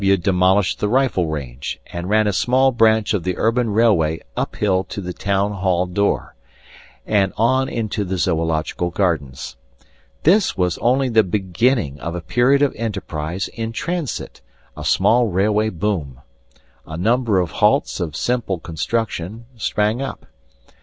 P. W. demolished the rifle range, and ran a small branch of the urban railway uphill to the town hall door, and on into the zoological gardens. This was only the beginning of a period of enterprise in transit, a small railway boom. A number of halts of simple construction sprang up.